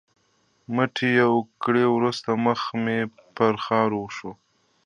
مټې یوه ګړۍ وروسته مخ پر ځوړو شو.